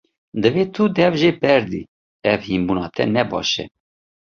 Divê tu dev jê berdî, ev hînbûna te ne baş e.